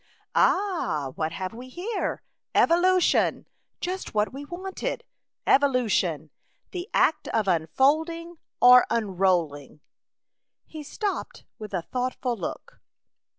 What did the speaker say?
" Ah ! What have we here ? Evo lution ! Just what we want: 'evolu tion, the act of unfolding or unroll ing. He stopped with a thoughtful look.